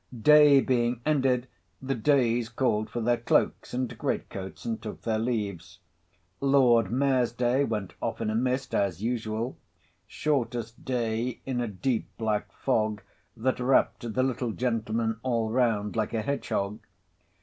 Day being ended, the Days called for their cloaks and great coats, and took their leaves. Lord Mayor's Day went off in a Mist, as usual; Shortest Day in a deep black Fog, that wrapt the little gentleman all round like a hedge hog.